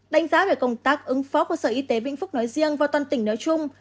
đánh giá về công tác ứng phó của sở y tế vĩnh phúc nói riêng và toàn tỉnh nói chung